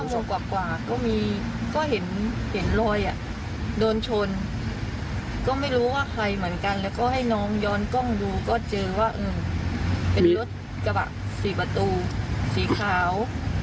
โลกว่าก็มีก็เห็นรอยโดนชนก็ไม่รู้ว่าใครเหมือนกันแล้วก็ให้น้องย้อนกล้องดูก็เจอว่าเป็นรถกระบะ๔ประตูสีขาว